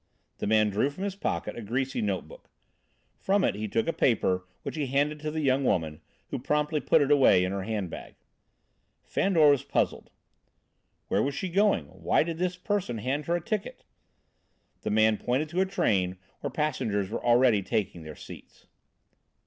The man drew from his pocket a greasy note book. From it he took a paper which he handed to the young woman, who promptly put it away in her handbag. Fandor was puzzled. "Where was she going? Why did this person hand her a ticket?" The man pointed to a train where passengers were already taking their seats.